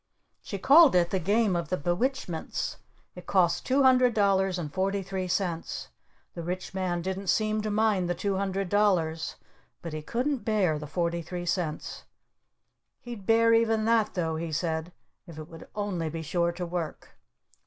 She called it the Game of the Be Witchments. It cost two hundred dollars and forty three cents. The Rich Man didn't seem to mind the two hundred dollars. But he couldn't bear the forty three cents. He'd bear even that, though, he said, if it would only be sure to work!